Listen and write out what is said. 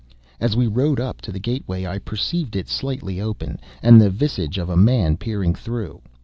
As we rode up to the gate way, I perceived it slightly open, and the visage of a man peering through.